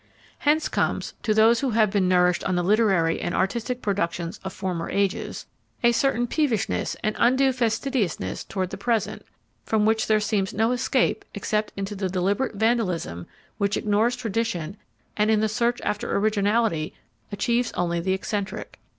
Hence comes, to those who have been nourished on the literary and artistic productions of former ages, a certain peevishness and undue fastidiousness towards the present, from which there seems no escape except into the deliberate vandalism which ignores tradition and in the search after originality achieves only the eccentric.